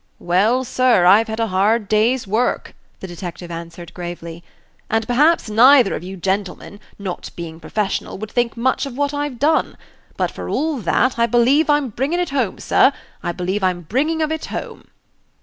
"Well, sir, I've had a hard day's work," the detective answered, gravely, "and perhaps neither of you gentlemen not being professional would think much of what I've done. But, for all that, I believe I'm bringin' it home, sir; I believe I'm bringing of it home."